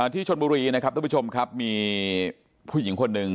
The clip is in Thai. ที่ชนบุรีนะครับทุกผู้ชมครับมีผู้หญิงคนหนึ่ง